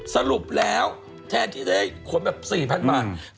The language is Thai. สรุปแล้วแทนที่ได้ขนแบบ๔๐๐๐บาท